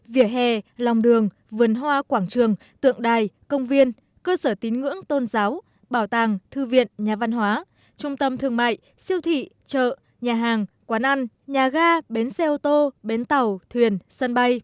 vỉa hè lòng đường vườn hoa quảng trường tượng đài công viên cơ sở tín ngưỡng tôn giáo bảo tàng thư viện nhà văn hóa trung tâm thương mại siêu thị chợ nhà hàng quán ăn nhà ga bến xe ô tô bến tàu thuyền sân bay